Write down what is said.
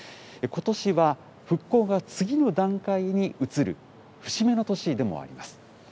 ことしは、復興が次の段階に移る節目の年でもあります。